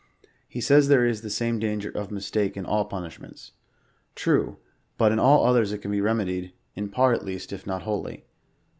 He says there is the same danget of mistake in all punishments. Trtte, bul in all others it can be remedied, in part at least, if not wholly.